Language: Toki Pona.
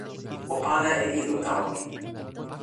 o pana e ilo tawa mi